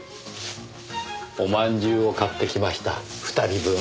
おまんじゅうを買ってきました２人分。